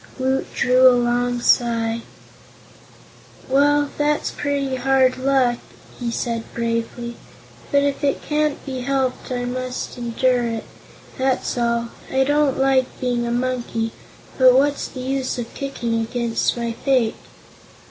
Woot drew a long sigh. "Well, that's pretty hard luck," he said bravely, "but if it can't be helped I must endure it; that's all. I don't like being a monkey, but what's the use of kicking against my fate?"